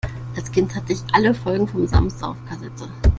Als Kind hatte ich alle Folgen vom Sams auf Kassette.